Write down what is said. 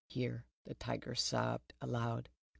(Here the Tiger sobbed aloud.)